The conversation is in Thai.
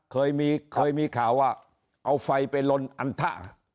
เคยมีเคยมีข่าวว่าเอาไฟไปลนอันทะ